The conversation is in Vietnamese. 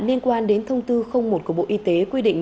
liên quan đến thông tư một của bộ y tế quy định